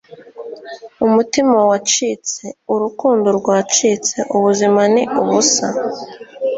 umutima wacitse, urukundo rwacitse, ubuzima ni ubusa